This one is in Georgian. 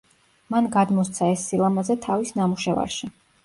მან გადმოსცა ეს სილამაზე თავის ნამუშევარში.